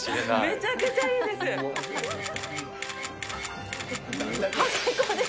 めちゃくちゃいいです。